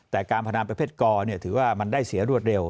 แต่การพนันประเภทกอถือว่ามันได้เสียรวดเร็ว